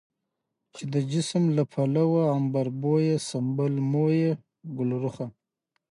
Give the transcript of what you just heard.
چې د جسم له پلوه عنبربويه، سنبل مويه، ګلرخه،